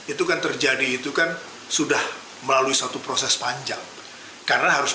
itu kan terjadi itu kan sudah melalui satu proses panjang karena harus